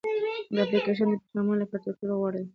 دا اپلیکیشن د پیغامونو لپاره تر ټولو غوره دی.